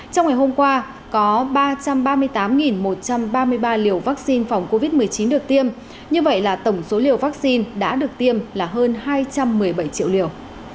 trong ngày hôm qua có ba trăm ba mươi tám một trăm ba mươi ba liều vaccine phòng covid một mươi chín được tiêm như vậy là tổng số liều vaccine đã được tiêm là hơn hai trăm một mươi bảy triệu liều